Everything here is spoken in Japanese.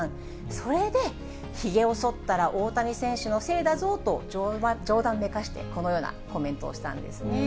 それで、ひげをそったら大谷選手のせいだぞと、冗談めかして、このようなコメントをしたんですね。